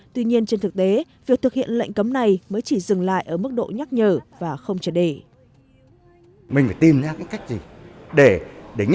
tuy nhiên trên thực tế việc thực hiện lệnh cấm này mới chỉ dừng lại ở mức độ nhắc nhở và không triệt đề